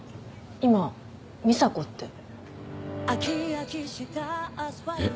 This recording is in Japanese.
今「美沙子」って。えっ？